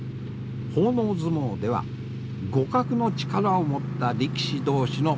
奉納相撲では互角の力を持った力士同士の取組が求められます。